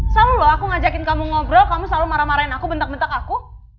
selalu loh aku ngajakin kamu ngobrol kamu selalu marah marahin aku bentak bentak aku